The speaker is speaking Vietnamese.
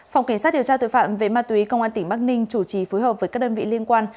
phòng cảnh sát điều tra tội phạm về ma túy công an tp hcm chủ trì phối hợp với các đơn vị liên quan